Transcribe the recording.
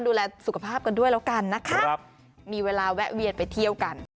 ดูแลสุขภาพกันด้วยแล้วกันนะคะมีเวลาแวะเวียนไปเที่ยวกัน